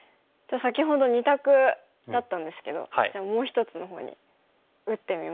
先ほど２択だったんですけどもう一つのほうに打ってみますか。